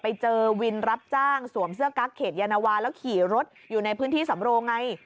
ไปเจอวินรับจ้างสวมเสื้อกั๊กเขตยานวาแล้วขี่รถอยู่ในพื้นที่สำโรงไง